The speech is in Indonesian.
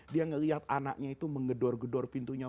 dia ngeliat anaknya itu menggedor gedor pintunya